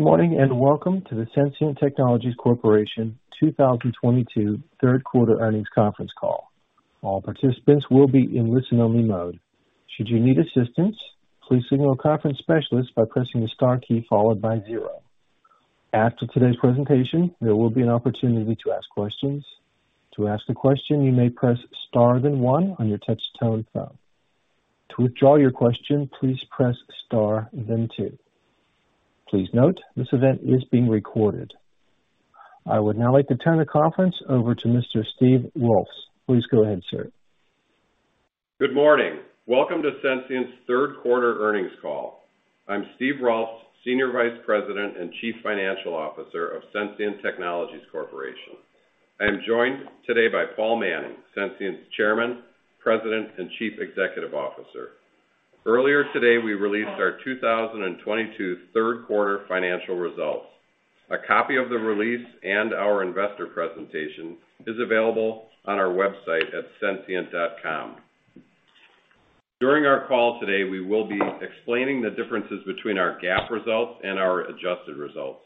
Good morning, and welcome to the Sensient Technologies Corporation 2022 Q3 earnings conference call. All participants will be in listen-only mode. Should you need assistance, please signal a conference specialist by pressing the star key followed by zero. After today's presentation, there will be an opportunity to ask questions. To ask a question, you may press star then one on your touch-tone phone. To withdraw your question, please press star then two. Please note, this event is being recorded. I would now like to turn the conference over to Mr. Steve Rolfs. Please go ahead, sir. Good morning. Welcome to Sensient's Q3 earnings call. I'm Steve Rolfs, Senior Vice President and Chief Financial Officer of Sensient Technologies Corporation. I am joined today by Paul Manning, Sensient's Chairman, President, and Chief Executive Officer. Earlier today, we released our 2022 Q3 financial results. A copy of the release and our investor presentation is available on our website at sensient.com. During our call today, we will be explaining the differences between our GAAP results and our adjusted results.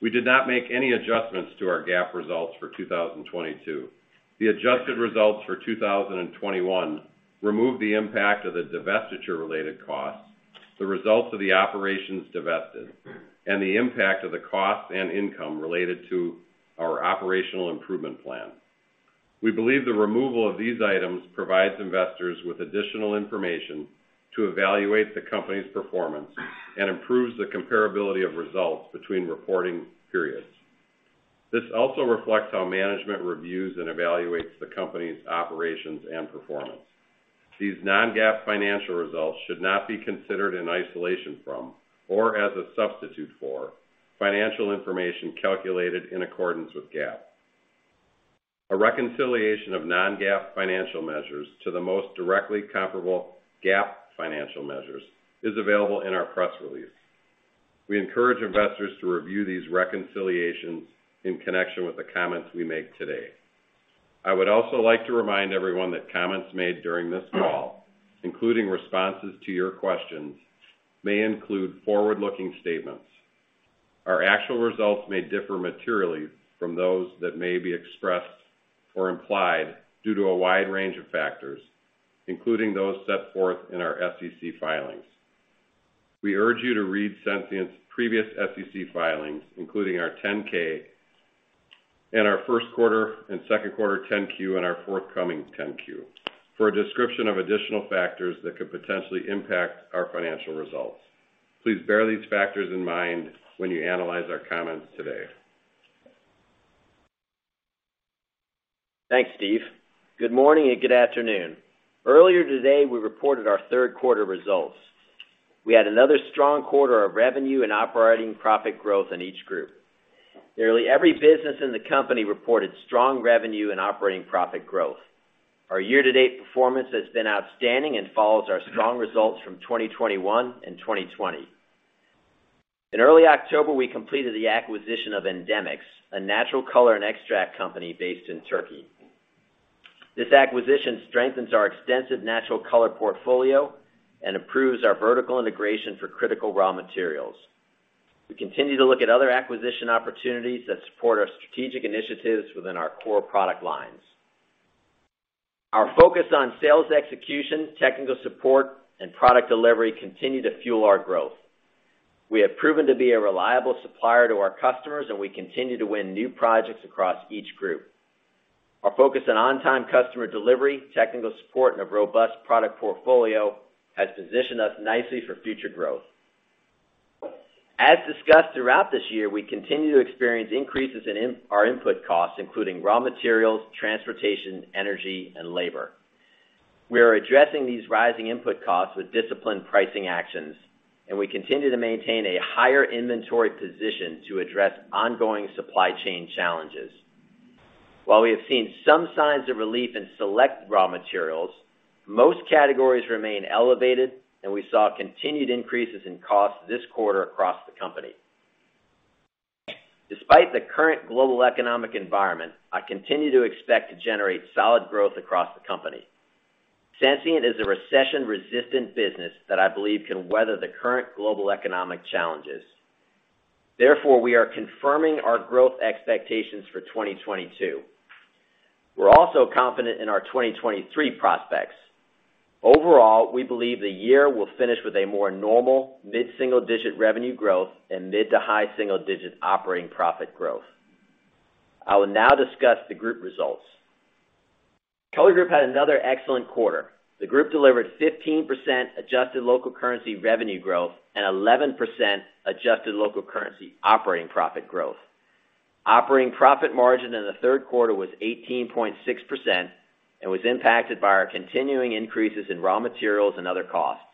We did not make any adjustments to our GAAP results for 2022. The adjusted results for 2021 removed the impact of the divestiture-related costs, the results of the operations divested, and the impact of the cost and income related to our operational improvement plan. We believe the removal of these items provides investors with additional information to evaluate the company's performance and improves the comparability of results between reporting periods. This also reflects how management reviews and evaluates the company's operations and performance. These non-GAAP financial results should not be considered in isolation from or as a substitute for financial information calculated in accordance with GAAP. A reconciliation of non-GAAP financial measures to the most directly comparable GAAP financial measures is available in our press release. We encourage investors to review these reconciliations in connection with the comments we make today. I would also like to remind everyone that comments made during this call, including responses to your questions, may include forward-looking statements. Our actual results may differ materially from those that may be expressed or implied due to a wide range of factors, including those set forth in our SEC filings. We urge you to read Sensient's previous SEC filings, including our 10-K and our Q1 and Q2 10-Q and our forthcoming 10-Q for a description of additional factors that could potentially impact our financial results. Please bear these factors in mind when you analyze our comments today. Thanks, Steve. Good morning and good afternoon. Earlier today, we reported our Q3 results. We had another strong quarter of revenue and operating profit growth in each group. Nearly every business in the company reported strong revenue and operating profit growth. Our year-to-date performance has been outstanding and follows our strong results from 2021 and 2020. In early October, we completed the acquisition of Endemix, a natural color and extract company based in Turkey. This acquisition strengthens our extensive natural color portfolio and improves our vertical integration for critical raw materials. We continue to look at other acquisition opportunities that support our strategic initiatives within our core product lines. Our focus on sales execution, technical support, and product delivery continue to fuel our growth. We have proven to be a reliable supplier to our customers, and we continue to win new projects across each group. Our focus on on-time customer delivery, technical support, and a robust product portfolio has positioned us nicely for future growth. As discussed throughout this year, we continue to experience increases in our input costs, including raw materials, transportation, energy, and labor. We are addressing these rising input costs with disciplined pricing actions, and we continue to maintain a higher inventory position to address ongoing supply chain challenges. While we have seen some signs of relief in select raw materials, most categories remain elevated, and we saw continued increases in costs this quarter across the company. Despite the current global economic environment, I continue to expect to generate solid growth across the company. Sensient is a recession-resistant business that I believe can weather the current global economic challenges. Therefore, we are confirming our growth expectations for 2022. We're also confident in our 2023 prospects. Overall, we believe the year will finish with a more normal mid-single-digit revenue growth and mid- to high single-digit operating profit growth. I will now discuss the group results. Color Group had another excellent quarter. The group delivered 15% adjusted local currency revenue growth and 11% adjusted local currency operating profit growth. Operating profit margin in the Q3 was 18.6% and was impacted by our continuing increases in raw materials and other costs.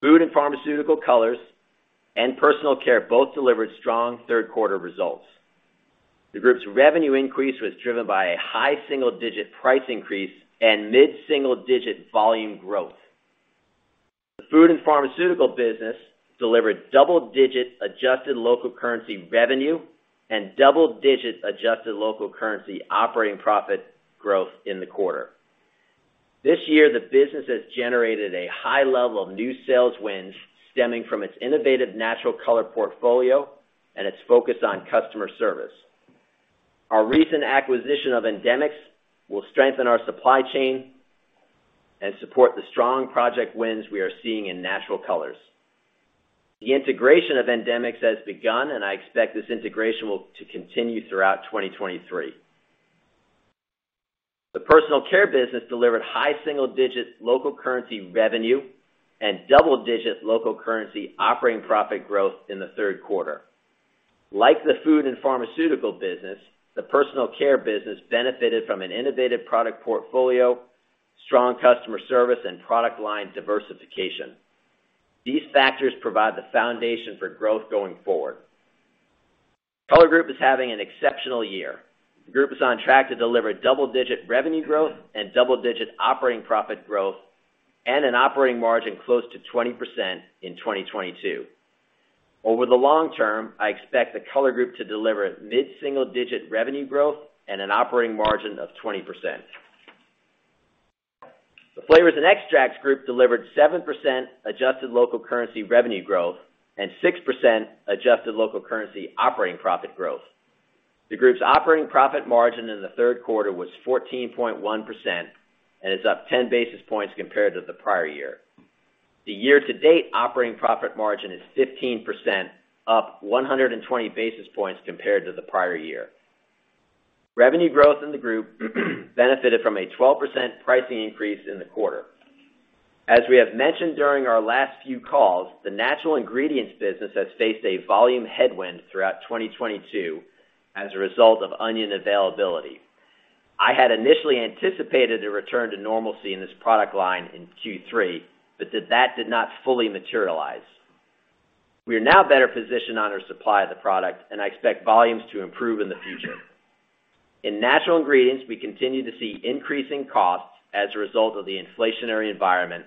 Food and Pharmaceutical colors and personal care both delivered strong Q3 results. The group's revenue increase was driven by a high single-digit price increase and mid-single-digit volume growth. The Food and Pharmaceutical business delivered double-digit adjusted local currency revenue and double-digit adjusted local currency operating profit growth in the quarter. This year, the business has generated a high level of new sales wins stemming from its innovative natural color portfolio and its focus on customer service. Our recent acquisition of Endemix will strengthen our supply chain and support the strong project wins we are seeing in natural colors. The integration of Endemix has begun, and I expect this integration will to continue throughout 2023. The personal care business delivered high single-digit local currency revenue and double-digit local currency operating profit growth in the Q3. Like the Food and Pharmaceutical business, the personal care business benefited from an innovative product portfolio, strong customer service, and product line diversification. These factors provide the foundation for growth going forward. Color Group is having an exceptional year. The group is on track to deliver double-digit revenue growth and double-digit operating profit growth and an operating margin close to 20% in 2022. Over the long term, I expect the Color Group to deliver mid-single-digit revenue growth and an operating margin of 20%. The Flavors & Extracts Group delivered 7% adjusted local currency revenue growth and 6% adjusted local currency operating profit growth. The group's operating profit margin in the Q3 was 14.1% and is up 10 basis points compared to the prior year. The year-to-date operating profit margin is 15%, up 120 basis points compared to the prior year. Revenue growth in the group benefited from a 12% pricing increase in the quarter. As we have mentioned during our last few calls, the natural ingredients business has faced a volume headwind throughout 2022 as a result of onion availability. I had initially anticipated a return to normalcy in this product line in Q3, but that did not fully materialize. We are now better positioned on our supply of the product, and I expect volumes to improve in the future. In natural ingredients, we continue to see increasing costs as a result of the inflationary environment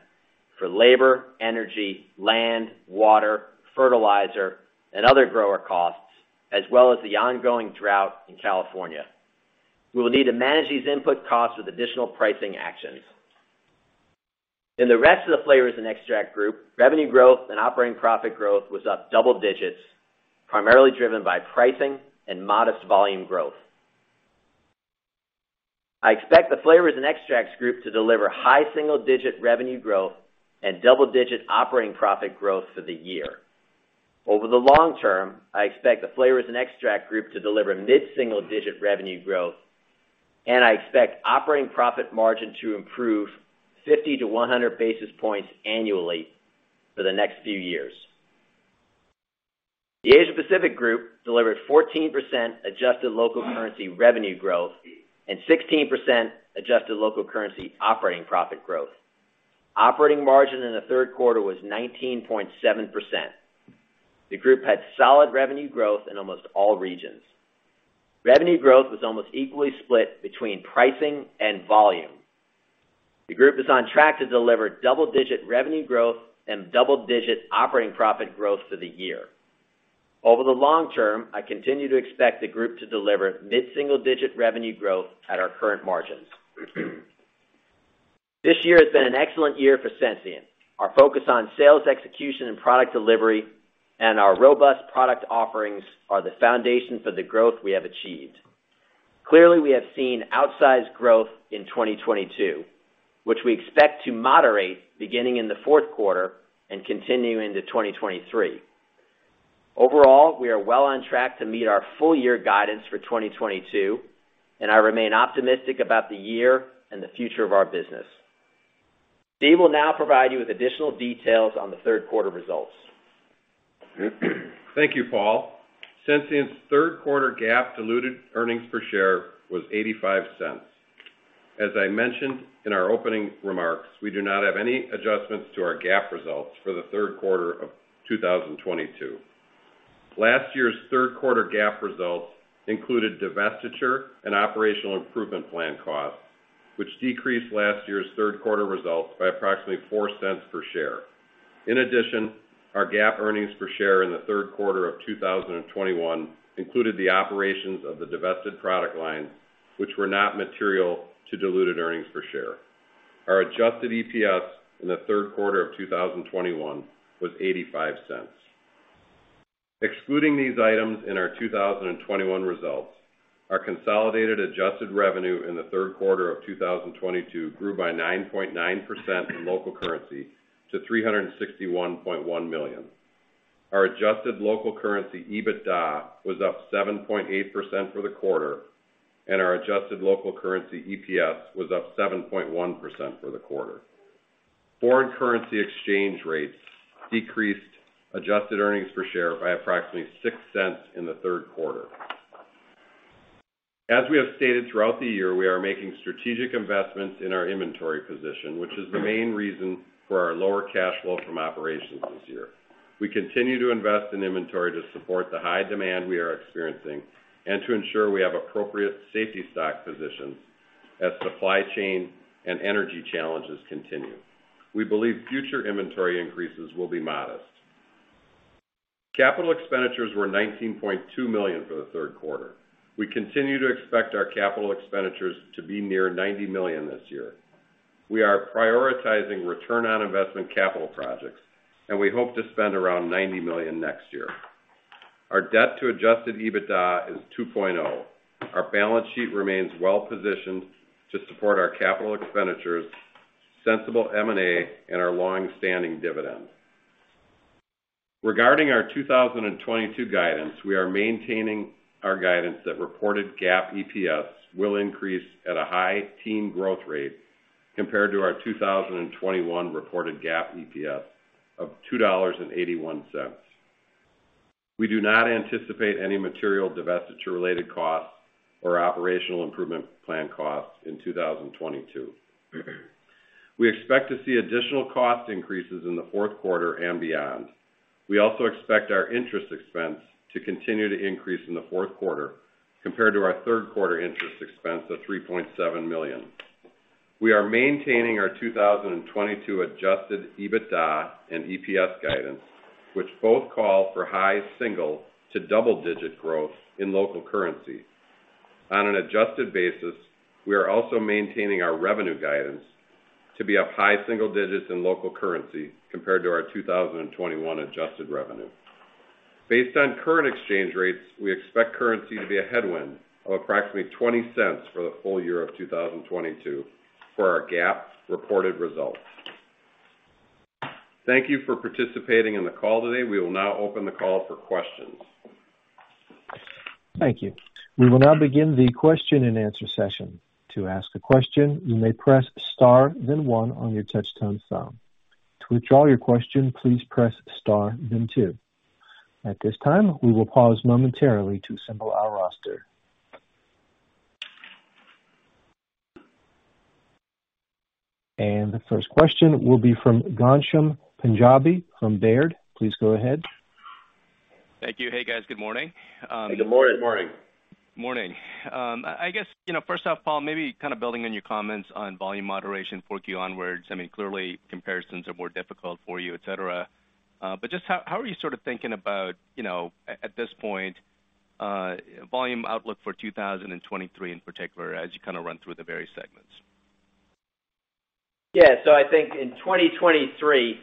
for labor, energy, land, water, fertilizer, and other grower costs, as well as the ongoing drought in California. We will need to manage these input costs with additional pricing actions. In the rest of the Flavors & Extracts Group, revenue growth and operating profit growth was up double digits, primarily driven by pricing and modest volume growth. I expect the Flavors & Extracts Group to deliver high single-digit revenue growth and double-digit operating profit growth for the year. Over the long term, I expect the Flavors & Extracts Group to deliver mid-single-digit revenue growth, and I expect operating profit margin to improve 50 basis points-100 basis points annually for the next few years. The Asia Pacific Group delivered 14% adjusted local currency revenue growth and 16% adjusted local currency operating profit growth. Operating margin in the Q3 was 19.7%. The group had solid revenue growth in almost all regions. Revenue growth was almost equally split between pricing and volume. The group is on track to deliver double-digit revenue growth and double-digit operating profit growth for the year. Over the long term, I continue to expect the group to deliver mid-single-digit revenue growth at our current margins. This year has been an excellent year for Sensient. Our focus on sales execution and product delivery and our robust product offerings are the foundation for the growth we have achieved. Clearly, we have seen outsized growth in 2022, which we expect to moderate beginning in the Q4 and continue into 2023. Overall, we are well on track to meet our full year guidance for 2022, and I remain optimistic about the year and the future of our business. Steve will now provide you with additional details on the Q3 results. Thank you, Paul. Sensient's Q3 GAAP diluted earnings per share was $0.85. As I mentioned in our opening remarks, we do not have any adjustments to our GAAP results for the Q3 of 2022. Last year's Q3 GAAP results included divestiture and operational improvement plan costs, which decreased last year's Q3 results by approximately $0.04 per share. In addition, our GAAP earnings per share in the Q3 of 2021 included the operations of the divested product lines, which were not material to diluted earnings per share. Our adjusted EPS in the Q3 of 2021 was $0.85. Excluding these items in our 2021 results, our consolidated adjusted revenue in the Q3 of 2022 grew by 9.9% in local currency to $361.1 million. Our adjusted local currency EBITDA was up 7.8% for the quarter, and our adjusted local currency EPS was up 7.1% for the quarter. Foreign currency exchange rates decreased adjusted earnings per share by approximately $0.06 in the Q3. As we have stated throughout the year, we are making strategic investments in our inventory position, which is the main reason for our lower cash flow from operations this year. We continue to invest in inventory to support the high demand we are experiencing and to ensure we have appropriate safety stock positions as supply chain and energy challenges continue. We believe future inventory increases will be modest. Capital expenditures were $19.2 million for the Q3. We continue to expect our capital expenditures to be near $90 million this year. We are prioritizing return on investment capital projects, and we hope to spend around $90 million next year. Our debt to adjusted EBITDA is 2.0. Our balance sheet remains well positioned to support our capital expenditures, sensible M&A, and our long-standing dividend. Regarding our 2022 guidance, we are maintaining our guidance that reported GAAP EPS will increase at a high teen growth rate compared to our 2021 reported GAAP EPS of $2.81. We do not anticipate any material divestiture-related costs or operational improvement plan costs in 2022. We expect to see additional cost increases in the Q4 and beyond. We also expect our interest expense to continue to increase in the Q4 compared to our Q3 interest expense of $3.7 million. We are maintaining our 2022 adjusted EBITDA and EPS guidance, which both call for high single- to double-digit growth in local currency. On an adjusted basis, we are also maintaining our revenue guidance to be up high single digits in local currency compared to our 2021 adjusted revenue. Based on current exchange rates, we expect currency to be a headwind of approximately $0.20 for the full year of 2022 for our GAAP reported results. Thank you for participating in the call today. We will now open the call for questions. Thank you. We will now begin the Q&A session. To ask a question, you may press Star, then one on your touch tone phone. To withdraw your question, please press Star then two. At this time, we will pause momentarily to assemble our roster. The first question will be from Ghansham Panjabi from Baird. Please go ahead. Thank you. Hey, guys. Good morning. Good morning. Morning. Morning. I guess, you know, first off, Paul, maybe kind of building on your comments on volume moderation 4Q onwards. I mean, clearly comparisons are more difficult for you, et cetera. Just how are you sort of thinking about, you know, at this point, volume outlook for 2023, in particular, as you kind of run through the various segments? Yeah. I think in 2023,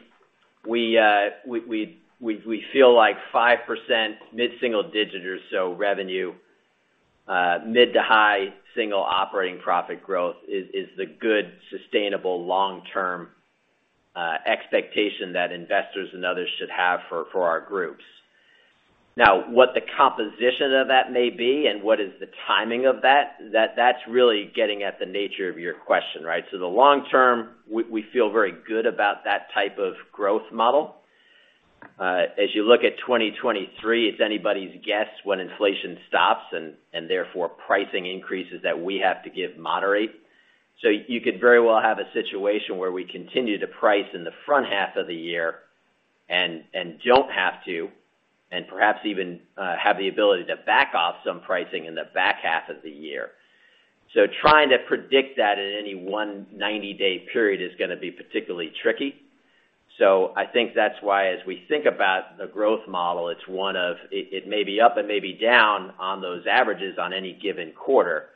we feel like 5% mid-single digit or so revenue, mid- to high single operating profit growth is the good sustainable long-term expectation that investors and others should have for our groups. Now, what the composition of that may be and what is the timing of that's really getting at the nature of your question, right? The long term, we feel very good about that type of growth model. As you look at 2023, it's anybody's guess when inflation stops and therefore pricing increases that we have to give moderate. You could very well have a situation where we continue to price in the front half of the year and don't have to, and perhaps even have the ability to back off some pricing in the back half of the year. Trying to predict that in any one 90 day period is gonna be particularly tricky. I think that's why as we think about the growth model, it's one of it may be up and may be down on those averages on any given quarter.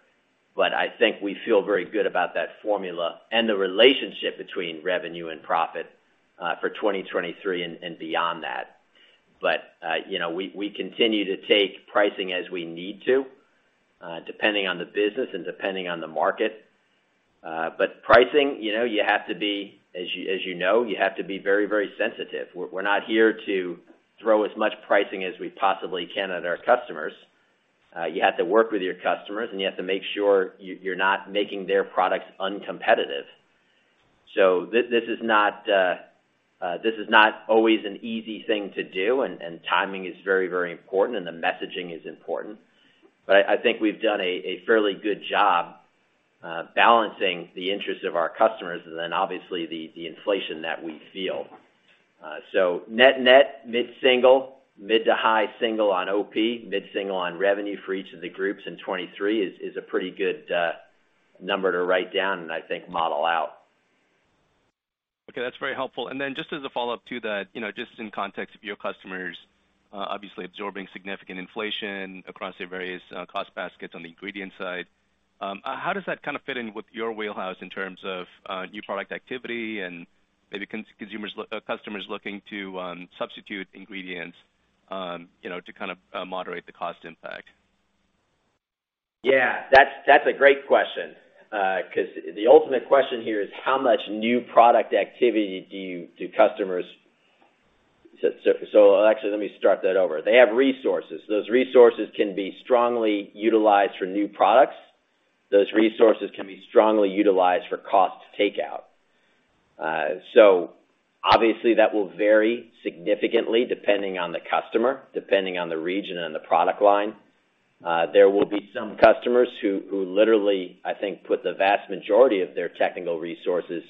I think we feel very good about that formula and the relationship between revenue and profit for 2023 and beyond that. You know, we continue to take pricing as we need to, depending on the business and depending on the market. Pricing, you know, you have to be very, very sensitive. We're not here to throw as much pricing as we possibly can at our customers. You have to work with your customers, and you have to make sure you're not making their products uncompetitive. This is not always an easy thing to do, and timing is very, very important, and the messaging is important. I think we've done a fairly good job balancing the interests of our customers and then obviously the inflation that we feel. Net net, mid-single, mid- to high-single on OP, mid-single on revenue for each of the groups in 2023 is a pretty good number to write down and I think model out. Okay, that's very helpful. Just as a follow-up to that, you know, just in context of your customers, obviously absorbing significant inflation across their various cost baskets on the ingredient side, how does that kind of fit in with your wheelhouse in terms of new product activity and maybe consumers, customers looking to substitute ingredients, you know, to kind of moderate the cost impact? Yeah, that's a great question. 'Cause the ultimate question here is how much new product activity do customers do. Actually let me start that over. They have resources. Those resources can be strongly utilized for new products. Those resources can be strongly utilized for cost takeout. Obviously that will vary significantly depending on the customer, depending on the region and the product line. There will be some customers who literally, I think, put the vast majority of their technical resources,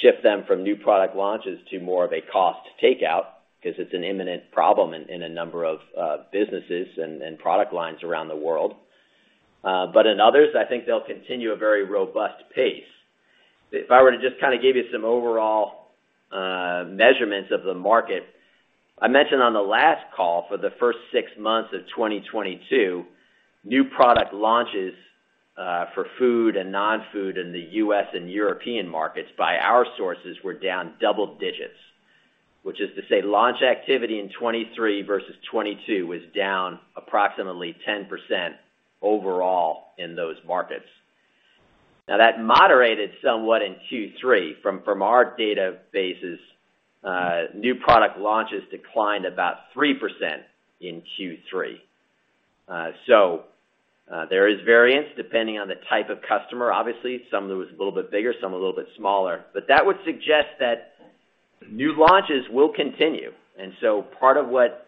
shift them from new product launches to more of a cost takeout because it's an imminent problem in a number of businesses and product lines around the world. In others, I think they'll continue a very robust pace. If I were to just kind of give you some overall measurements of the market, I mentioned on the last call for the first 6 months of 2022, new product launches for food and non-food in the U.S. and European markets by our sources were down double digits, which is to say launch activity in 2023 versus 2022 was down approximately 10% overall in those markets. Now, that moderated somewhat in Q3. From our databases, new product launches declined about 3% in Q3. There is variance depending on the type of customer. Obviously, some of it was a little bit bigger, some a little bit smaller. That would suggest that new launches will continue. Part of what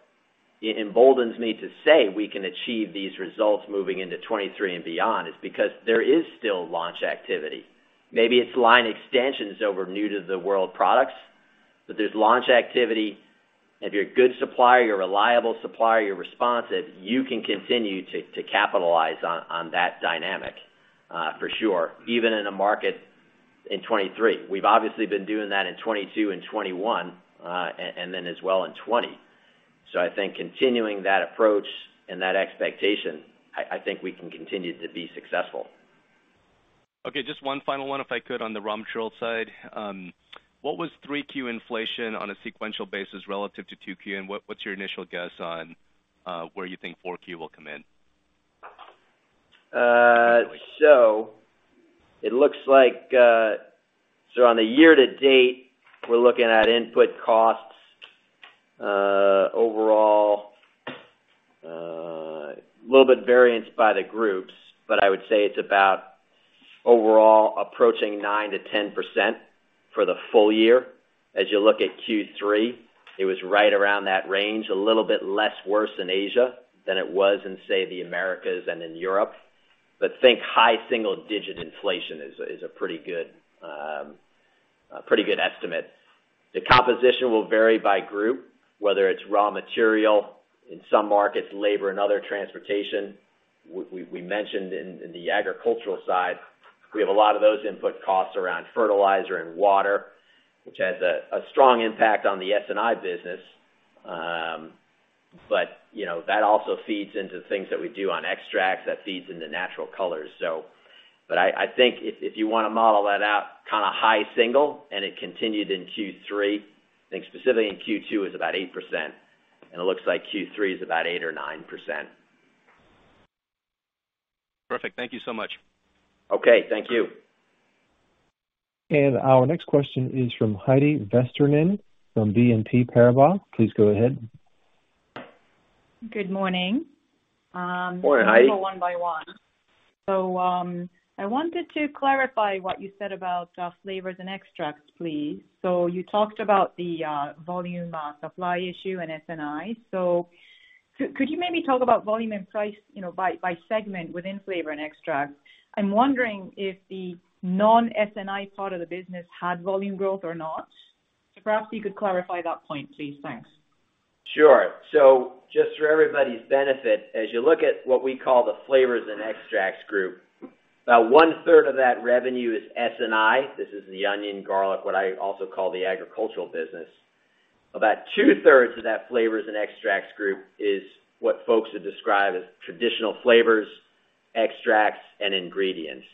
emboldens me to say we can achieve these results moving into 2023 and beyond is because there is still launch activity. Maybe it's line extensions over new to the world products, but there's launch activity. If you're a good supplier, you're a reliable supplier, you're responsive, you can continue to capitalize on that dynamic, for sure, even in a market in 2023. We've obviously been doing that in 2022 and 2021, and then as well in 2020. I think continuing that approach and that expectation, I think we can continue to be successful. Okay, just one final one if I could on the raw materials side. What was 3Q inflation on a sequential basis relative to 2Q? What's your initial guess on where you think 4Q will come in? It looks like on the year-to-date, we're looking at input costs overall, a little bit variance by the groups, but I would say it's about overall approaching 9%-10% for the full year. As you look at Q3, it was right around that range, a little bit less worse in Asia than it was in, say, the Americas and in Europe. I think high single-digit inflation is a pretty good estimate. The composition will vary by group, whether it's raw material in some markets, labor in other, transportation. We mentioned in the agricultural side, we have a lot of those input costs around fertilizer and water, which has a strong impact on the S&I business. you know, that also feeds into things that we do on extracts, that feeds into natural colors, so. I think if you wanna model that out kind of high single, and it continued in Q3, I think specifically in Q2 is about 8%, and it looks like Q3 is about 8% or 9%. Perfect. Thank you so much. Okay. Thank you. Our next question is from Heidi Vesterinen from BNP Paribas. Please go ahead. Good morning. Good morning, Heidi. I'll go one by one. I wanted to clarify what you said about flavors and extracts, please. You talked about the volume supply issue in S&I. Could you maybe talk about volume and price by segment within flavor and extract? I'm wondering if the non-S&I part of the business had volume growth or not. Perhaps you could clarify that point, please. Thanks. Sure. Just for everybody's benefit, as you look at what we call the Flavors and Extracts Group, about 1/3 of that revenue is S&I. This is the onion, garlic, what I also call the agricultural business. About 2/3 of that Flavors and Extracts Group is what folks would describe as traditional flavors, extracts, and ingredients.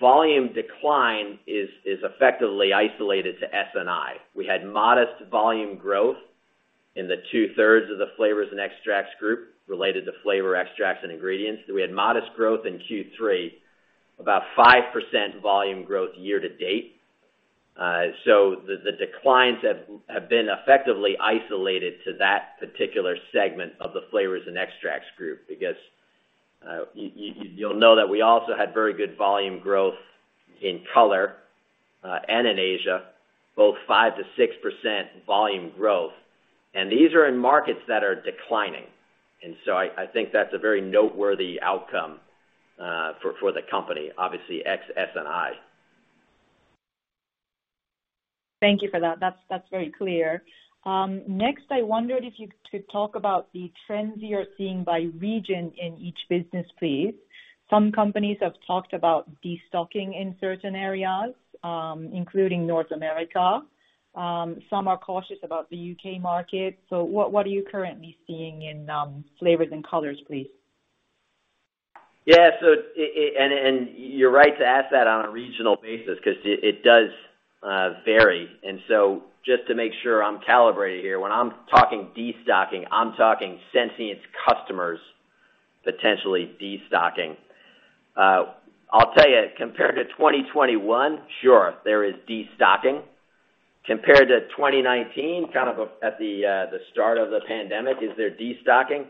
Volume decline is effectively isolated to S&I. We had modest volume growth in the 2/3 of the Flavors and Extracts Group related to flavor extracts and ingredients. We had modest growth in Q3, about 5% volume growth year-to-date. The declines have been effectively isolated to that particular segment of the Flavors and Extracts Group. Because you'll know that we also had very good volume growth in Color, and in Asia, both 5%-6% volume growth. These are in markets that are declining. I think that's a very noteworthy outcome for the company, obviously ex-S&I. Thank you for that. That's very clear. Next, I wondered if you could talk about the trends you're seeing by region in each business, please. Some companies have talked about destocking in certain areas, including North America. Some are cautious about the U.K. market. What are you currently seeing in flavors and colors, please? Yeah. You're right to ask that on a regional basis 'cause it does vary. Just to make sure I'm calibrated here, when I'm talking destocking, I'm talking Sensient's customers potentially destocking. I'll tell you, compared to 2021, sure, there is destocking. Compared to 2019, kind of at the start of the pandemic, is there destocking?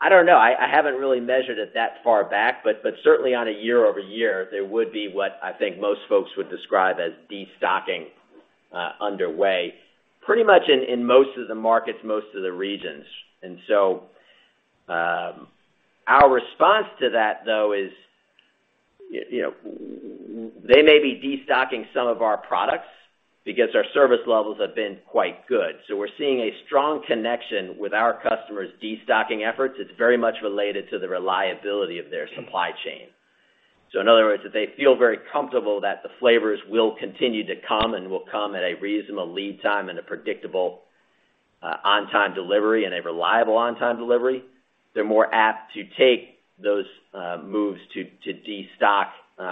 I don't know. I haven't really measured it that far back, but certainly on a year-over-year, there would be what I think most folks would describe as destocking underway pretty much in most of the markets, most of the regions. Our response to that, though, is, you know, they may be destocking some of our products because our service levels have been quite good. We're seeing a strong connection with our customers' destocking efforts. It's very much related to the reliability of their supply chain. In other words, if they feel very comfortable that the flavors will continue to come and will come at a reasonable lead time and a predictable on-time delivery and a reliable on-time delivery, they're more apt to take those moves to destock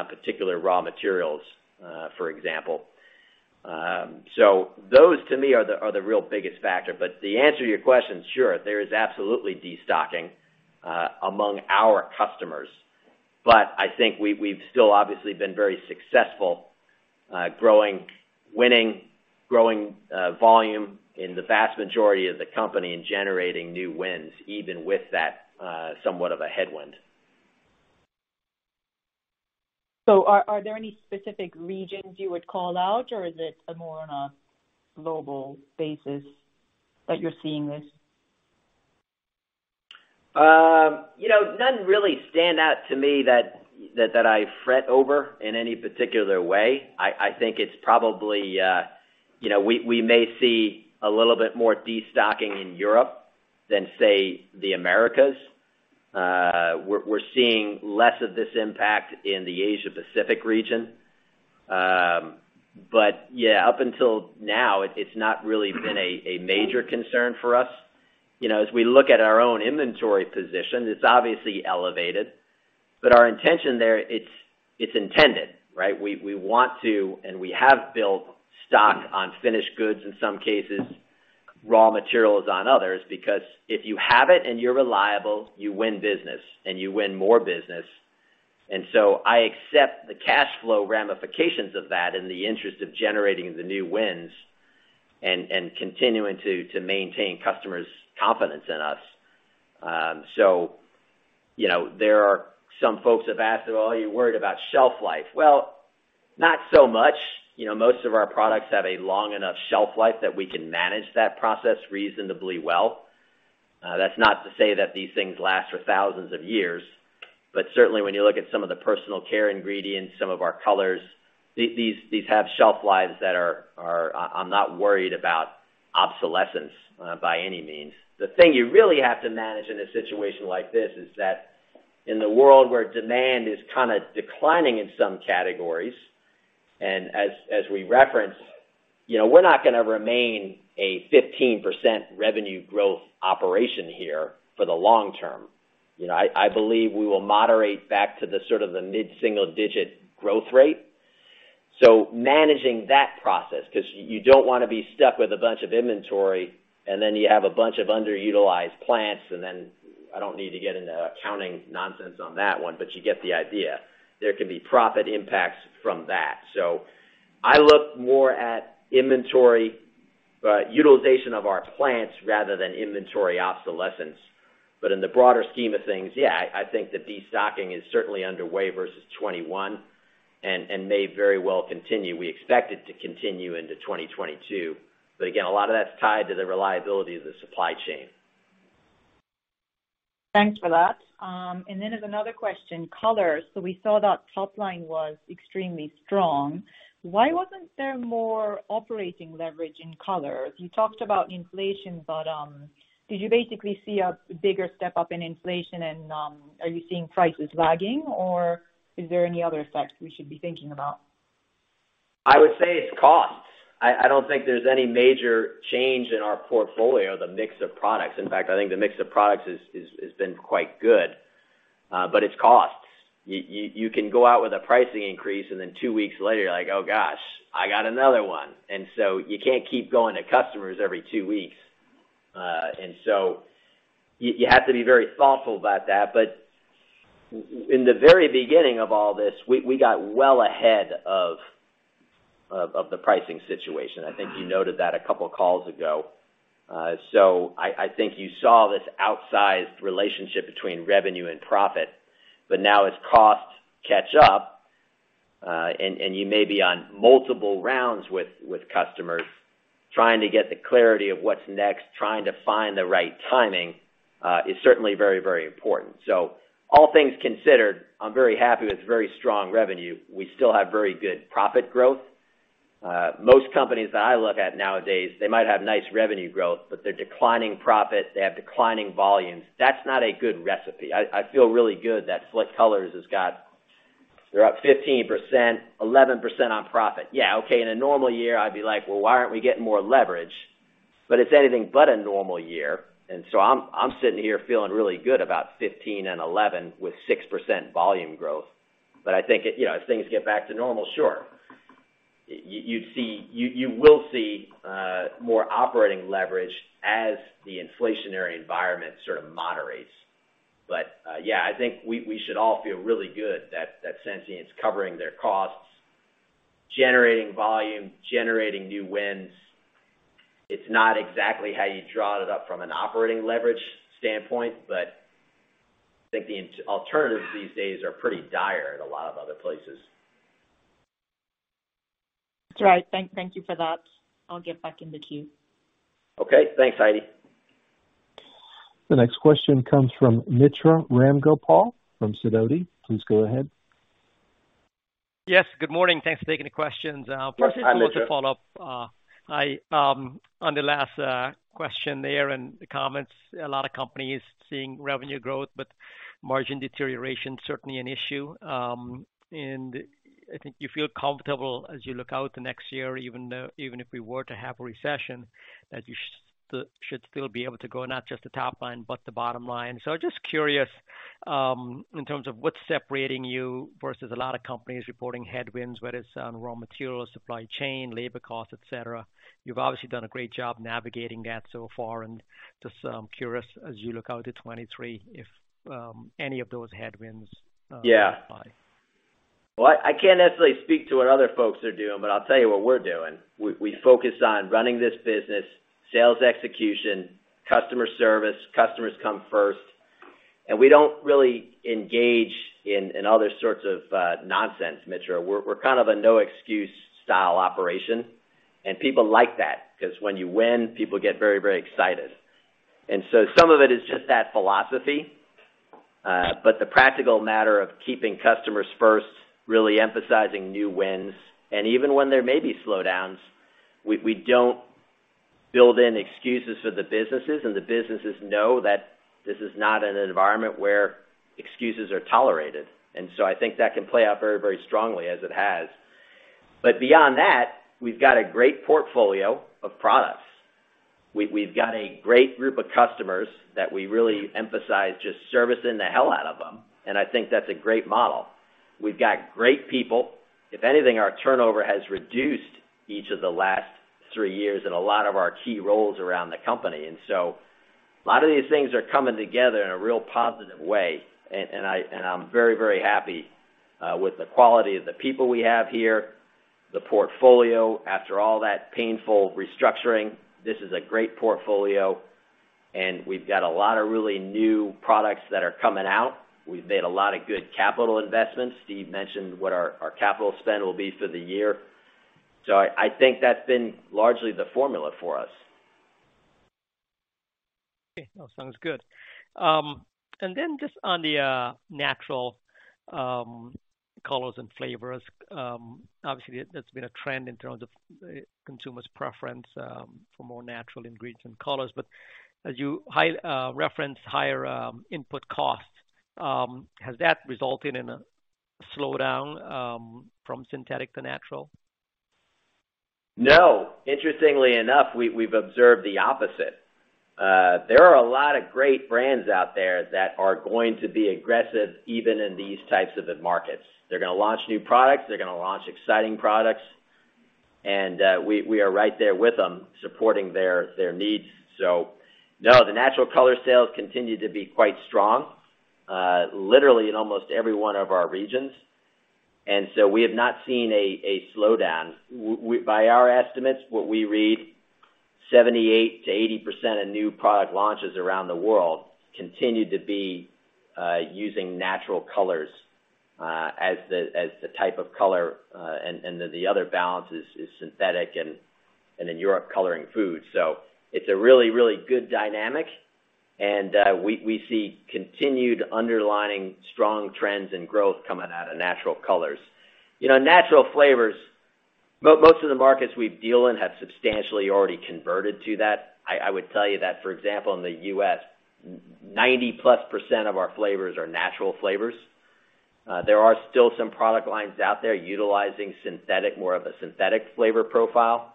particular raw materials, for example. Those to me are the real biggest factor. To answer your question, sure, there is absolutely destocking among our customers. I think we've still obviously been very successful growing, winning, growing volume in the vast majority of the company and generating new wins, even with that somewhat of a headwind. Are there any specific regions you would call out, or is it more on a global basis that you're seeing this? You know, none really stand out to me that I fret over in any particular way. I think it's probably you know we may see a little bit more destocking in Europe than, say, the Americas. We're seeing less of this impact in the Asia-Pacific region. Yeah, up until now it's not really been a major concern for us. You know, as we look at our own inventory position, it's obviously elevated, but our intention there, it's intended, right? We want to, and we have built stock on finished goods, in some cases, raw materials on others, because if you have it and you're reliable, you win business and you win more business. I accept the cash flow ramifications of that in the interest of generating the new wins and continuing to maintain customers' confidence in us. You know, there are some folks have asked, "Well, are you worried about shelf life?" Well, not so much. You know, most of our products have a long enough shelf life that we can manage that process reasonably well. That's not to say that these things last for thousands of years. Certainly when you look at some of the personal care ingredients, some of our colors, these have shelf lives that are. I'm not worried about obsolescence, by any means. The thing you really have to manage in a situation like this is that in the world where demand is kind of declining in some categories, and as we referenced, you know, we're not gonna remain a 15% revenue growth operation here for the long term. You know, I believe we will moderate back to the sort of the mid-single digit growth rate. Managing that process, 'cause you don't wanna be stuck with a bunch of inventory and then you have a bunch of underutilized plants, and then I don't need to get into accounting nonsense on that one, but you get the idea. There can be profit impacts from that. I look more at inventory, utilization of our plants rather than inventory obsolescence. In the broader scheme of things, yeah, I think the destocking is certainly underway versus 2021 and may very well continue. We expect it to continue into 2022. Again, a lot of that's tied to the reliability of the supply chain. Thanks for that. There's another question. Colors. We saw that top line was extremely strong. Why wasn't there more operating leverage in colors? You talked about inflation, but did you basically see a bigger step up in inflation and are you seeing prices lagging, or is there any other effect we should be thinking about? I would say it's cost. I don't think there's any major change in our portfolio, the mix of products. In fact, I think the mix of products has been quite good, but it's cost. You can go out with a pricing increase and then two weeks later you're like, "Oh gosh, I got another one." You can't keep going to customers every two weeks. You have to be very thoughtful about that. In the very beginning of all this, we got well ahead of the pricing situation. I think you noted that a couple of calls ago. I think you saw this outsized relationship between revenue and profit. Now as costs catch up, and you may be on multiple rounds with customers trying to get the clarity of what's next, trying to find the right timing, is certainly very important. All things considered, I'm very happy with very strong revenue. We still have very good profit growth. Most companies that I look at nowadays, they might have nice revenue growth, but they're declining profit, they have declining volumes. That's not a good recipe. I feel really good that Sensient Colors has got they're up 15%, 11% on profit. Yeah, okay, in a normal year, I'd be like, "Well, why aren't we getting more leverage?" It's anything but a normal year. I'm sitting here feeling really good about 15% and 11% with 6% volume growth. I think, you know, as things get back to normal, sure, you will see more operating leverage as the inflationary environment sort of moderates. Yeah, I think we should all feel really good that Sensient's covering their costs, generating volume, generating new wins. It's not exactly how you draw it up from an operating leverage standpoint, but I think the alternatives these days are pretty dire in a lot of other places. That's right. Thank you for that. I'll get back in the queue. Okay. Thanks, Heidi. The next question comes from Mitra Ramgopal from Sidoti. Please go ahead. Yes, good morning. Thanks for taking the questions. Yes. Hi, Mitra. First, I want to follow up on the last question there and the comments. A lot of companies seeing revenue growth, but margin deterioration certainly an issue. I think you feel comfortable as you look out the next year, even if we were to have a recession, that you should still be able to grow, not just the top line, but the bottom line. Just curious, in terms of what's separating you versus a lot of companies reporting headwinds, whether it's on raw materials, supply chain, labor costs, et cetera. You've obviously done a great job navigating that so far. Just curious, as you look out to 2023, if any of those headwinds, Yeah. Apply. Well, I can't necessarily speak to what other folks are doing, but I'll tell you what we're doing. We focus on running this business, sales execution, customer service, customers come first. We don't really engage in other sorts of nonsense, Mitra. We're kind of a no excuse style operation, and people like that, because when you win, people get very, very excited. Some of it is just that philosophy, but the practical matter of keeping customers first, really emphasizing new wins. Even when there may be slowdowns, we don't build in excuses for the businesses, and the businesses know that this is not an environment where excuses are tolerated. I think that can play out very, very strongly as it has. Beyond that, we've got a great portfolio of products. We've got a great group of customers that we really emphasize just servicing the hell out of them, and I think that's a great model. We've got great people. If anything, our turnover has reduced each of the last three years in a lot of our key roles around the company. A lot of these things are coming together in a real positive way. I'm very, very happy with the quality of the people we have here, the portfolio. After all that painful restructuring, this is a great portfolio, and we've got a lot of really new products that are coming out. We've made a lot of good capital investments. Steve mentioned what our capital spend will be for the year. I think that's been largely the formula for us. Okay. That sounds good. Just on the natural colors and flavors, obviously that's been a trend in terms of consumers' preference for more natural ingredients and colors. As you reference higher input costs, has that resulted in a slowdown from synthetic to natural? No. Interestingly enough, we've observed the opposite. There are a lot of great brands out there that are going to be aggressive even in these types of markets. They're gonna launch new products. They're gonna launch exciting products, and we are right there with them supporting their needs. No, the natural color sales continue to be quite strong, literally in almost every one of our regions. We have not seen a slowdown. By our estimates, what we read, 78%-80% of new product launches around the world continue to be using natural colors as the type of color, and then the other balance is synthetic and in Europe, Coloring Food. It's a really good dynamic. We see continued underlying strong trends and growth coming out of natural colors. You know, natural flavors, most of the markets we deal in have substantially already converted to that. I would tell you that, for example, in the U.S., 90%+ of our flavors are natural flavors. There are still some product lines out there utilizing synthetic, more of a synthetic flavor profile.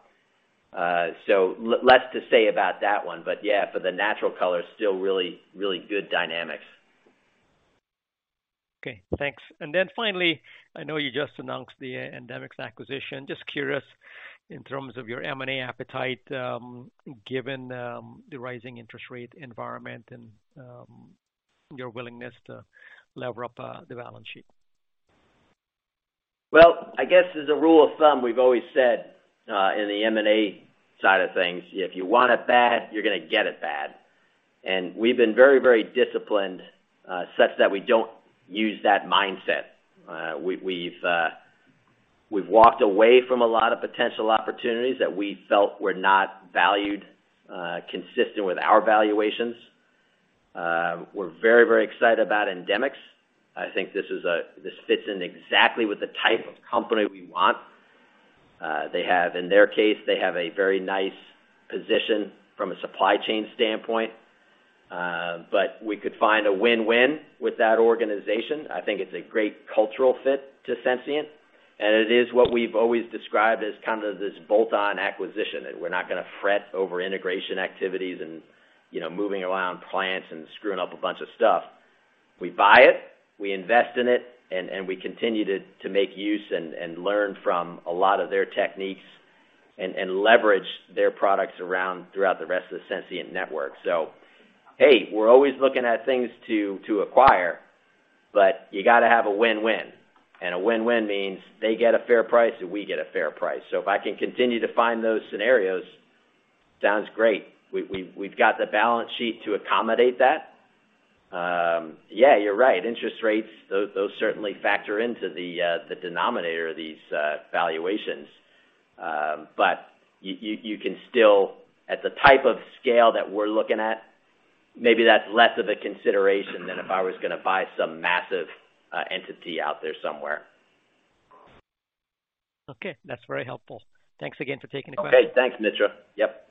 Less to say about that one, but yeah, for the natural color, still really good dynamics. Okay. Thanks. Finally, I know you just announced the Endemix acquisition. Just curious in terms of your M&A appetite, given the rising interest rate environment and your willingness to lever up the balance sheet? Well, I guess as a rule of thumb, we've always said, in the M&A side of things, "If you want it bad, you're gonna get it bad." We've been very, very disciplined, such that we don't use that mindset. We've walked away from a lot of potential opportunities that we felt were not valued consistent with our valuations. We're very, very excited about Endemix. I think this fits in exactly with the type of company we want. They have, in their case, a very nice position from a supply chain standpoint. We could find a win-win with that organization. I think it's a great cultural fit to Sensient, and it is what we've always described as kind of this bolt-on acquisition, that we're not gonna fret over integration activities and, you know, moving around plants and screwing up a bunch of stuff. We buy it, we invest in it, and we continue to make use and learn from a lot of their techniques and leverage their products around throughout the rest of the Sensient network. Hey, we're always looking at things to acquire, but you gotta have a win-win. A win-win means they get a fair price and we get a fair price. If I can continue to find those scenarios, sounds great. We've got the balance sheet to accommodate that. Yeah, you're right. Interest rates, those certainly factor into the denominator of these valuations. At the type of scale that we're looking at, maybe that's less of a consideration than if I was gonna buy some massive entity out there somewhere. Okay. That's very helpful. Thanks again for taking the question. Okay, thanks, Mitra. Yep.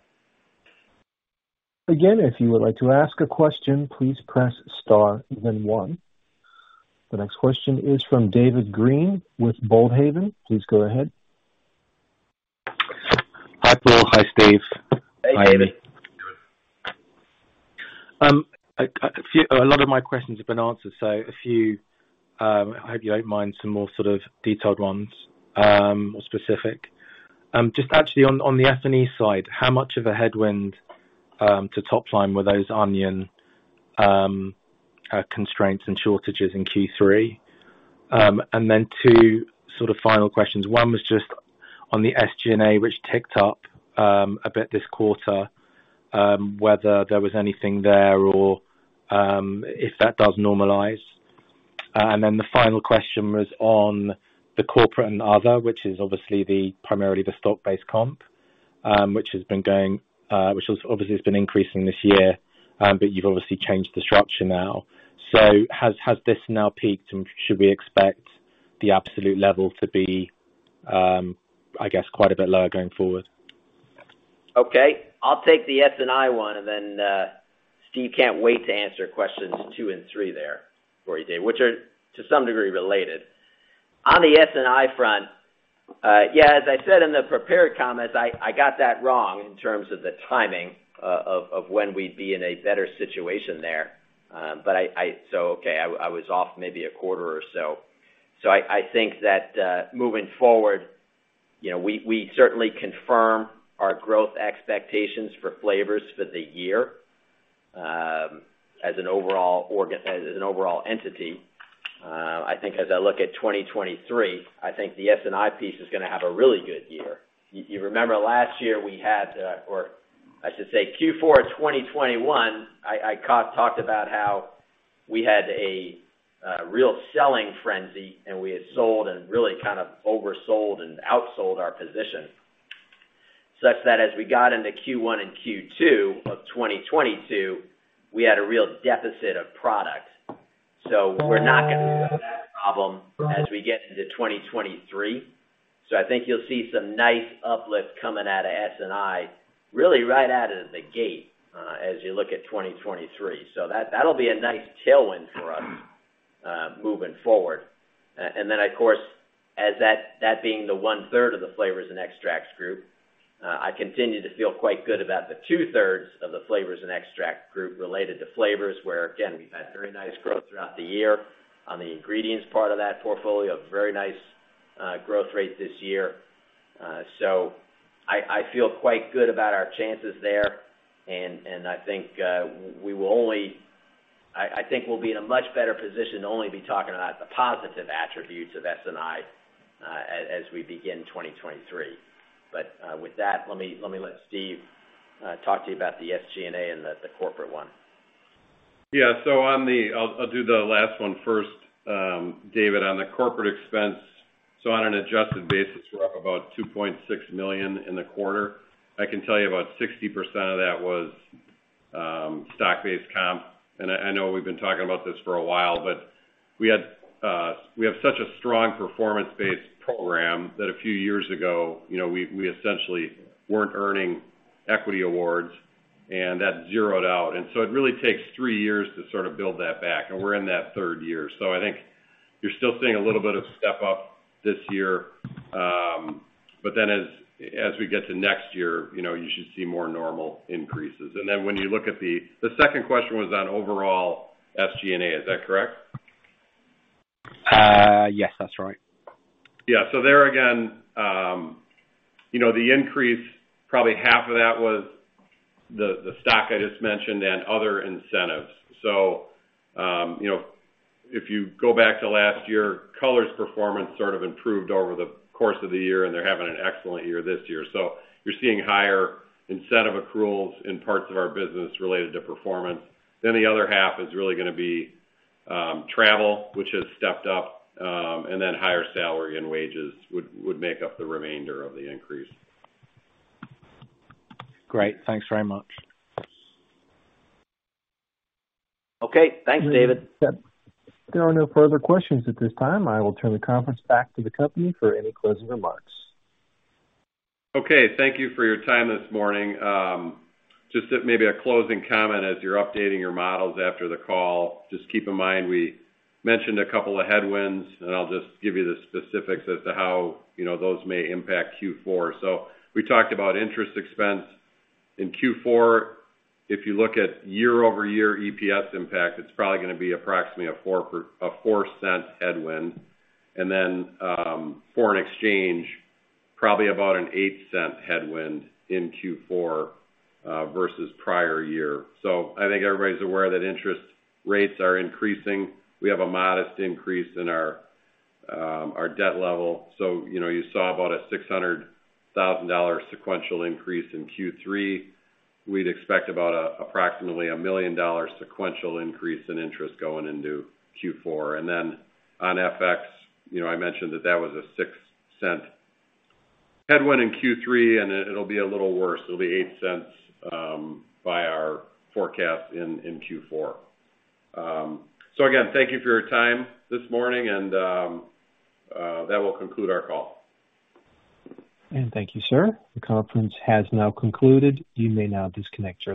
Again, if you would like to ask a question, please press star then one. The next question is from David Green with Boldhaven. Please go ahead. Hi, Paul. Hi, Steve. Hey, David. A lot of my questions have been answered, so a few, I hope you don't mind some more sort of detailed ones, more specific. Just actually on the S&I side, how much of a headwind to top line were those onion constraints and shortages in Q3? Two sort of final questions. One was just on the SG&A which ticked up a bit this quarter, whether there was anything there or if that does normalize. The final question was on the corporate and other, which is obviously primarily the stock-based comp, which obviously has been increasing this year, but you've obviously changed the structure now. Has this now peaked and should we expect the absolute level to be, I guess, quite a bit lower going forward? Okay. I'll take the S&I one and then Steve can't wait to answer questions two and three there for you, Dave, which are to some degree related. On the S&I front, yeah, as I said in the prepared comments, I got that wrong in terms of the timing of when we'd be in a better situation there. I was off maybe a quarter or so. I think that moving forward, you know, we certainly confirm our growth expectations for flavors for the year as an overall entity. I think as I look at 2023, I think the S&I piece is gonna have a really good year. You remember last year we had, or I should say Q4 2021, I kind of talked about how we had a real selling frenzy and we had sold and really kind of oversold and outsold our position, such that as we got into Q1 and Q2 of 2022, we had a real deficit of product. We're not gonna have that problem as we get into 2023. I think you'll see some nice uplift coming out of S&I really right out of the gate, as you look at 2023. That'll be a nice tailwind for us, moving forward. Of course, as that being the 1/3 of the Flavors & Extracts Group, I continue to feel quite good about the two-thirds of the Flavors & Extracts Group related to flavors, where again, we've had very nice growth throughout the year on the ingredients part of that portfolio, a very nice growth rate this year. I feel quite good about our chances there. I think we'll be in a much better position to only be talking about the positive attributes of S&I, as we begin 2023. With that, let me let Steve talk to you about the SG&A and the corporate one. Yeah, I'll do the last one first, David, on the corporate expense. On an adjusted basis, we're up about $2.6 million in the quarter. I can tell you about 60% of that was stock-based comp. I know we've been talking about this for a while, but we have such a strong performance-based program that a few years ago, you know, we essentially weren't earning equity awards and that zeroed out. It really takes three years to sort of build that back, and we're in that third year. I think you're still seeing a little bit of step up this year, but then as we get to next year, you know, you should see more normal increases. Then when you look at the. The second question was on overall SG&A. Is that correct? Yes, that's right. Yeah. There again, you know, the increase, probably half of that was the stock I just mentioned and other incentives. You know, if you go back to last year, Color's performance sort of improved over the course of the year, and they're having an excellent year this year. You're seeing higher incentive accruals in parts of our business related to performance. The other half is really gonna be travel, which has stepped up, and then higher salary and wages would make up the remainder of the increase. Great. Thanks very much. Okay. Thanks, David. There are no further questions at this time. I will turn the conference back to the company for any closing remarks. Okay. Thank you for your time this morning. Just maybe a closing comment as you're updating your models after the call. Just keep in mind we mentioned a couple of headwinds, and I'll just give you the specifics as to how, you know, those may impact Q4. We talked about interest expense. In Q4, if you look at year-over-year EPS impact, it's probably gonna be approximately a $0.04 headwind. Then, foreign exchange, probably about a $0.08 headwind in Q4 versus prior year. I think everybody's aware that interest rates are increasing. We have a modest increase in our debt level. You know, you saw about a $600,000 sequential increase in Q3. We'd expect about approximately a $1 million sequential increase in interest going into Q4. Then on FX, you know, I mentioned that was a $0.06 headwind in Q3, and it'll be a little worse. It'll be $0.08 by our forecast in Q4. Again, thank you for your time this morning, and that will conclude our call. Thank you, sir. The conference has now concluded. You may now disconnect your lines.